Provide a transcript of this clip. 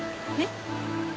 えっ？